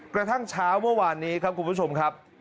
กระทั่งเช้าเมื่อวานนี้ครับคุณผู้ชมครับ